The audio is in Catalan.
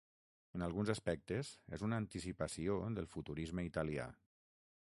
En alguns aspectes és una anticipació del futurisme italià.